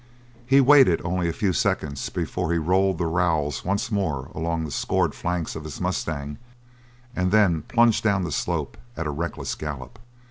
He waited only a few seconds before he rolled the rowel once more along the scored flanks of his mustang and then plunged down the slope at a reckless gallop.